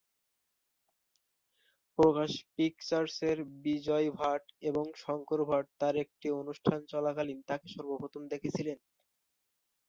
প্রকাশ পিকচার্সের বিজয় ভাট এবং শঙ্কর ভাট তাঁর একটি অনুষ্ঠান চলাকালীন তাঁকে সর্বপ্রথম দেখেছিলেন।